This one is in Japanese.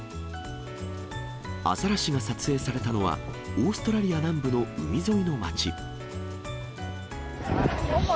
アザラシが撮影されたのは、オーストラリア南部の海沿いの街。